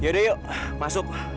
yaudah yuk masuk